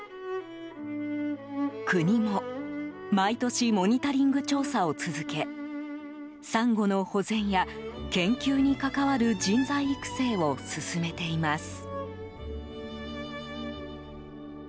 国も毎年、モニタリング調査を続けサンゴの保全や研究に関わる人材育成を進めています。